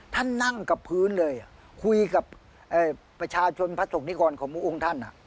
นั่งกับพื้นเลยคุยกับประชาชนพระศกนิกรของพระองค์ท่าน